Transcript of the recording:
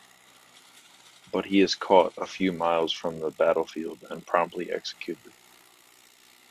But he is caught a few miles from the battlefield and promptly executed.